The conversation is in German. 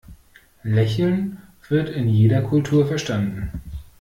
Lächeln wird in jeder Kultur verstanden.